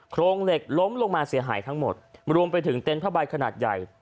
โครงเหล็กล้มลงมาเสียหายทั้งหมดรวมไปถึงเต็นต์ผ้าใบขนาดใหญ่